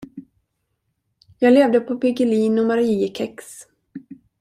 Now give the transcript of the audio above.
Jag levde på piggelin och mariekex.